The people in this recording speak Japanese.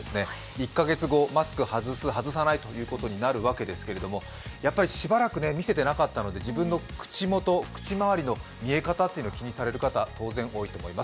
１か月後、マスク外す、外さないということになるわけですけどやっぱりしばらく見せてなかったので、自分の口元、口周りの見え方気にされる方、当然多いと思います